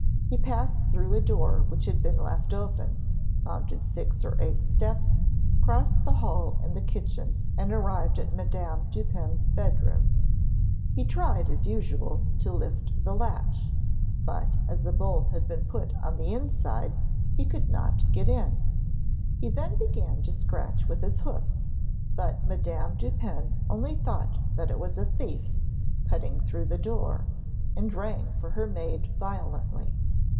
He passed through a door which had been left open, mounted six or eight steps, crossed the hall and the kitchen and arrived at Madame Dupin's bedroom. He tried as usual to lift the latch, but as a bolt had been put on the inside, he could not get in. He then began to scratch with his hoofs, but Madame Dupin only thought that it was a thief, cutting through the door, and rang for her maid violently.